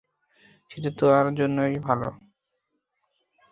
সেটা তার জন্য ভালোই।